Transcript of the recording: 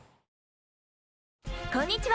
こんにちは！